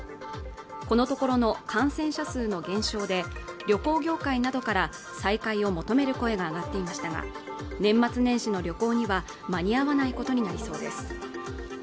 このところの感染者数の減少で旅行業界などから再開を求める声が上がっていましたが年末年始の旅行には間に合わないことになりそうです